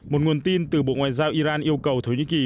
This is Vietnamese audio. một nguồn tin từ bộ ngoại giao iran yêu cầu thổ nhĩ kỳ phải luân hành